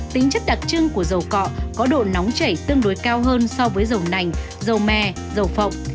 tính chất đặc trưng của dầu cọ có độ nóng chảy tương đối cao hơn so với dầu nành dầu me dầu phộng